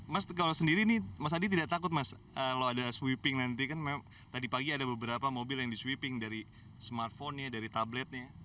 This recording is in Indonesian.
mas kalau sendiri nih mas adi tidak takut mas kalau ada sweeping nanti kan tadi pagi ada beberapa mobil yang di sweeping dari smartphone nya dari tabletnya